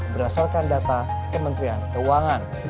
berdasarkan data kementerian keuangan